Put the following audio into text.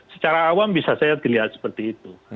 secara awam bisa saya dilihat seperti itu